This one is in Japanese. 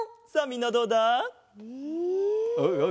さあみんなどうだ？え？